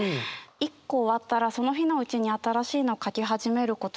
一個終わったらその日のうちに新しいのを書き始めることにしていて